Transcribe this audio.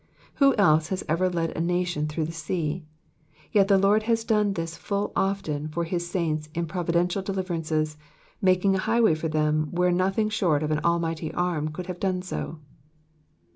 Who else has ever led a nation through a sea? YettheLoid has done this full often for his saints in providential deliverances, making a highway for them where nothing short of an almighty arm could have done so.